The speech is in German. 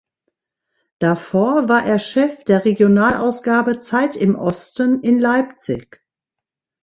Davor war er Chef der Regionalausgabe "Zeit im Osten" in Leipzig.